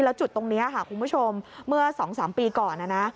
แล้วจุดตรงนี้ค่ะคุณผู้ชมเมื่อ๒๓ปีก่อนนะนะ